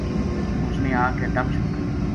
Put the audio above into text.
اس نے آ کے دم شم کریو